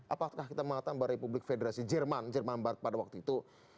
apakah kita mengatakan bahwa republik federasi jerman jerman barat pada waktu itu